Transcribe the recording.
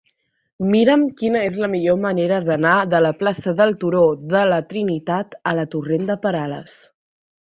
Mira'm quina és la millor manera d'anar de la plaça del Turó de la Trinitat a la torrent de Perales.